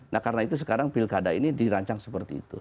nah karena itu sekarang pilkada ini dirancang seperti itu